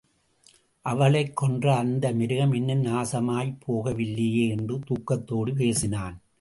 அவளைக் கொன்ற அந்த மிருகம் இன்னும் நாசமாய்ப் போகவில்லையே! என்று துக்கத்தோடு பேசினான்.